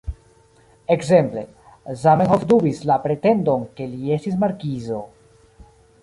Ekzemple: "Zamenhof dubis la pretendon, ke li estis markizo.